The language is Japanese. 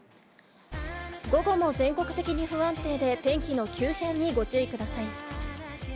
午後も全国的に不安定で、天気の急変にご注意ください。